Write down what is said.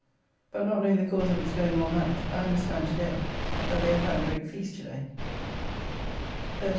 ] but not knowing the cause of its going all night, I understand to day that they have had a great feast to day. 13th.